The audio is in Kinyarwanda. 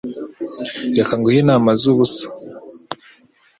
Reka nguhe inama zubusa.